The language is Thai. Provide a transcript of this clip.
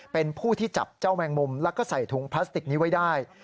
เป็นผู้ที่จับเจ้าแมงมุมแล้วก็ใส่ถุงพลาสติกนี้ไว้ได้